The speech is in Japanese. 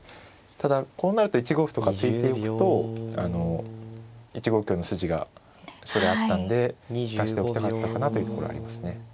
ただこうなると１五歩とか突いておくと１五香の筋が将来あったんで利かしておきたかったかなというところありますね。